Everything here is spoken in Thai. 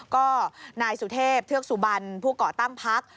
ก็นายสุเทพเทือกสุบันผู้ก่อตั้งพัก